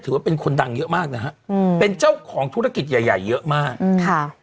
เป็นคนดังเยอะมากนะฮะอืมเป็นเจ้าของธุรกิจใหญ่ใหญ่เยอะมากอืมค่ะ